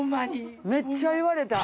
めっちゃ言われた。